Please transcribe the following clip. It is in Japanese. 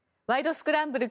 スクランブル」